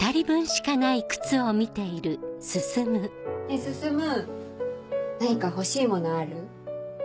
ねぇ進何か欲しいものある？